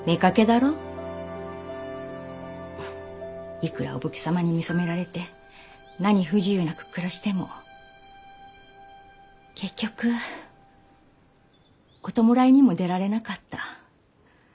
いくらお武家様に見初められて何不自由なく暮らしても結局お弔いにも出られなかった。